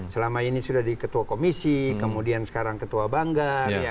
selama ini sudah di ketua komisi kemudian sekarang ketua banggar